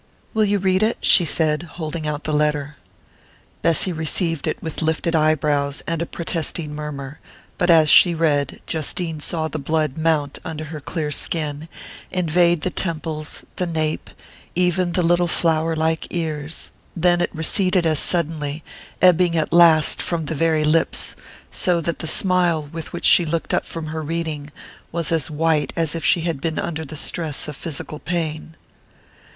"Will you read it?" she said, holding out the letter. Bessy received it with lifted brows, and a protesting murmur but as she read, Justine saw the blood mount under her clear skin, invade the temples, the nape, even the little flower like ears; then it receded as suddenly, ebbing at last from the very lips, so that the smile with which she looked up from her reading was as white as if she had been under the stress of physical pain.